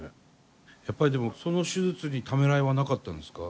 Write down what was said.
やっぱりでもその手術にためらいはなかったんですか？